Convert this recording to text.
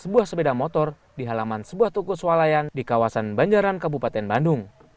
sebuah sepeda motor di halaman sebuah toko swalayan di kawasan banjaran kabupaten bandung